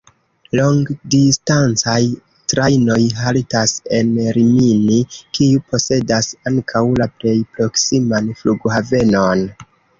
Longdistancaj trajnoj haltas en Rimini, kiu posedas ankaŭ la plej proksiman flughavenon.